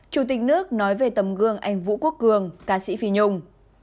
chủ tịch nước nói về tầm gương anh vũ quốc cường ca sĩ phi nhung